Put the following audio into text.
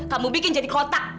kamu bikin jadi kotak